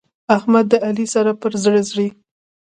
احمد د علي سره پر زړه ځي.